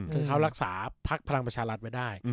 คือเขารักษาพักพลังประชารัฐไว้ได้